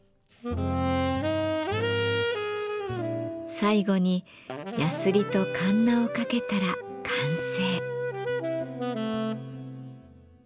最後にやすりとかんなをかけたら完成。